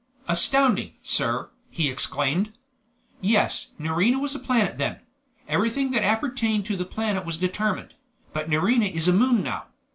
"Astounding, sir!" he exclaimed. "Yes! Nerina was a planet then; everything that appertained to the planet was determined; but Nerina is a moon now.